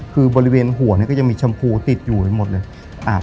คือบริเวณหัวเนี่ยก็ยังมีชมพูติดอยู่ไปหมดเลย